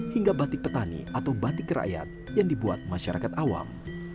hingga batik petani atau batik rakyat yang dibuat masyarakat awam